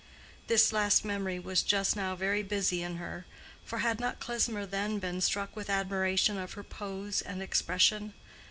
This last memory was just now very busy in her; for had not Klesmer then been struck with admiration of her pose and expression?